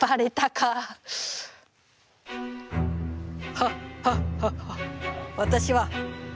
ハッハッハッハッ！